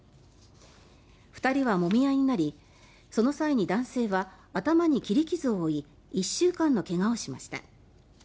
２人はもみ合いになりその際に男性は頭に切り傷を負い１週間の怪我をしました。